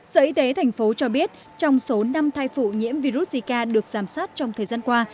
sở y tế thành phố cho biết trong số năm thai phụ nhiễm virus zika được giám sát trong thời gian qua